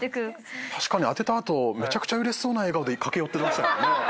確かに当てた後めちゃくちゃうれしそうな笑顔で駆け寄ってました。